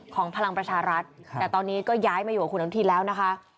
พลังประชารัฐแต่ตอนนี้ก็ย้ายมาอยู่กับคุณอนุทินแล้วนะคะ